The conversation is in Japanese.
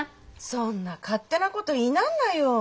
そんな勝手なこと言いなんなよ。